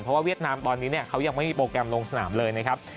เพราะว่าเวียดนามตอนนี้เขายังไม่มีโปรแกรมลงสนามเลยนะครับ